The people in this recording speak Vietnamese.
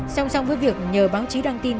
song song với việc nhờ báo chí đăng tin